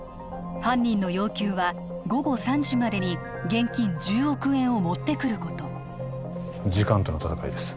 犯人の要求は午後３時までに現金１０億円を持ってくること時間との戦いです